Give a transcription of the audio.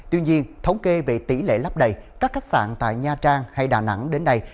tuy nhiên thống kê về tỷ lệ lấp đầy các khách sạn tại nha trang hay đà nẵng đến đây